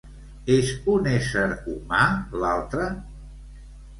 És un ésser humà, l'altre?